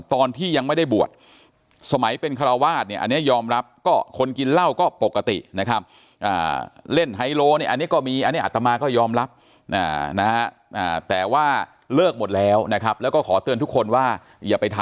ตอนที่ยังไม่ได้บวกสมัยเป็นคราวาทเนี่ย